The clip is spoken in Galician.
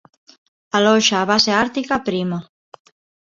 Aloxa a base ártica "Prima".